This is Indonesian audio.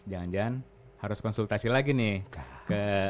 jangan jangan harus konsultasi lagi nih